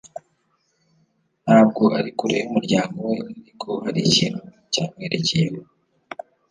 ntabwo ari kure yumuryango we, ariko harikintu cyamwerekeyeho